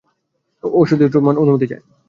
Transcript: ও শুধু তোমার অনুমতি চায়।